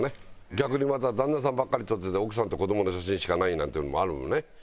逆にまた旦那さんばっかり撮ってて奥さんと子どもの写真しかないなんていうのもあるもんね。